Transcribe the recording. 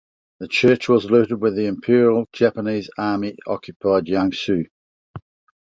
The church was looted when the Imperial Japanese Army occupied Jiangsu.